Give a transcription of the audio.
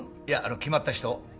いやあの決まった人。